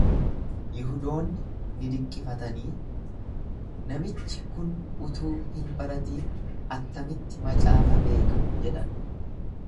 Yihudoonni ni dinqifatanii, Namichi kun utuu hin baratin attamitti macaafa beeka jedhan.